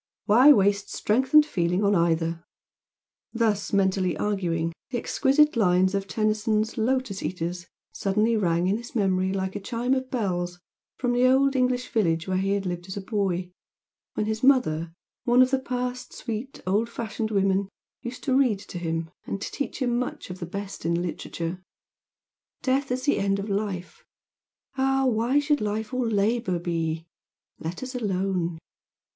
Why waste strength and feeling on either?" Thus mentally arguing, the exquisite lines of Tennyson's "Lotus Eaters" suddenly rang in his memory like a chime of bells from the old English village where he had lived as a boy, when his mother, one of the past sweet "old fashioned" women, used to read to him and teach him much of the best in literature, "Death is the end of life; ah, why Should life all labour be? Let us alone.